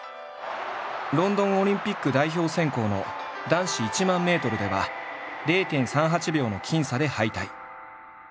ロンドンオリンピック代表選考の男子１００００ｍでは０．３８秒の僅差で敗退。